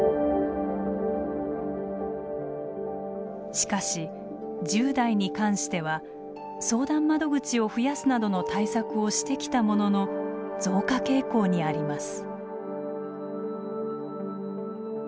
しかし１０代に関しては相談窓口を増やすなどの対策をしてきたものの増加傾向にあります。